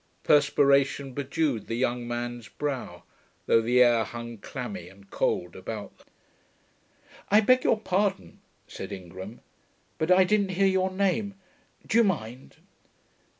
Perspiration bedewed the young man's brow, though the air hung clammy and cold about them. 'I beg your pardon,' said Ingram, 'but I didn't hear your name. Do you mind....'